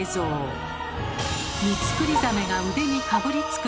「ミツクリザメが腕にかぶりつく」